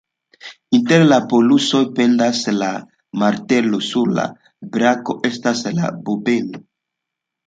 Inter la polusoj pendas la martelo, sur la brako estas la bobeno.